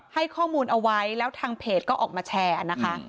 ให้ข้อมูลเอาไว้แล้วทางเพจก็ออกมาแชร์นะคะ